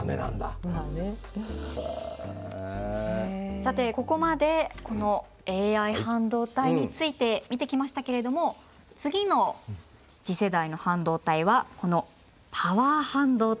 さてここまでこのＡＩ半導体について見てきましたけれども次の次世代の半導体はこのパワー半導体です。